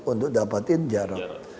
untuk dapetin jarod